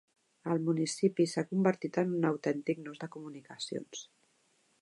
El municipi s'ha convertit en un autèntic nus de comunicacions.